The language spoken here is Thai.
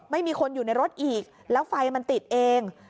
ไม่มีคนอยู่ในรถอีกแล้วไฟมันติดเอง